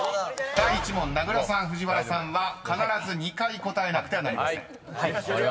［第１問名倉さん藤原さんは必ず２回答えなくてはなりません］